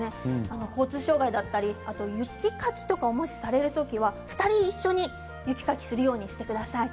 交通障害だったり雪かきとかもしされるときは２人一緒に雪かきするようにしてください。